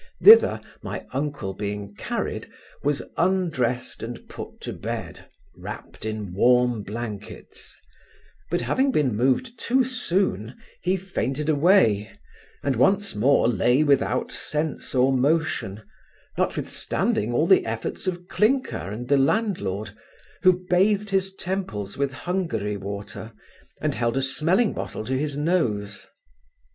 Thither my uncle being carried, was undressed and put to bed, wrapped in warm blankets; but having been moved too soon, he fainted away, and once more lay without sense or motion, notwithstanding all the efforts of Clinker and the landlord, who bathed his temples with Hungary water, and held a smelling bottle to his nose.